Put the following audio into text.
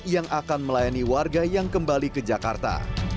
yang akan melayani warga yang kembali ke jakarta